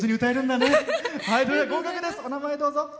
お名前、どうぞ。